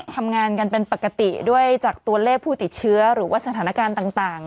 ทำงานกันเป็นปกติด้วยจากตัวเลขผู้ติดเชื้อหรือว่าสถานการณ์ต่าง